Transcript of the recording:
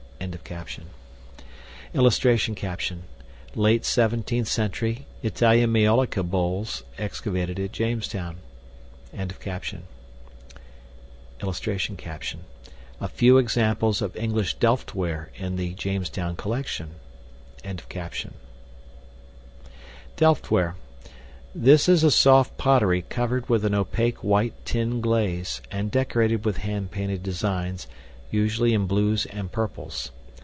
] [Illustration: LATE 17TH CENTURY ITALIAN MAIOLICA BOWLS EXCAVATED AT JAMESTOWN.] [Illustration: A FEW EXAMPLES OF ENGLISH DELFTWARE IN THE JAMESTOWN COLLECTION.] Delftware. This is a soft pottery covered with an opaque white tin glaze, and decorated with hand painted designs, usually in blues and purples.